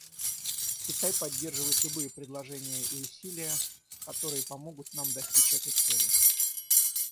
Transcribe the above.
Китай поддерживает любые предложения и усилия, которые помогут нам достичь этой цели.